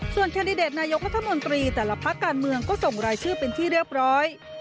แคนดิเดตนายกรัฐมนตรีแต่ละพักการเมืองก็ส่งรายชื่อเป็นที่เรียบร้อย